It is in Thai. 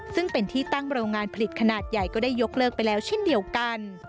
ซึ่งเป็นที่ตั้งโรงงานผลิตขนาดใหญ่ก็ได้ยกเลิกไปแล้วเช่นเดียวกัน